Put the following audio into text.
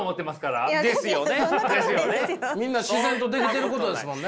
みんな自然とできてることですもんね。